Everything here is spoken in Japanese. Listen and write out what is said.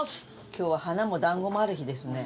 今日は花も団子もある日ですね。